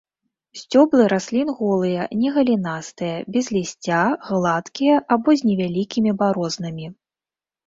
Сцёблы раслін голыя, не галінастыя, без лісця, гладкія або з невялікімі барознамі.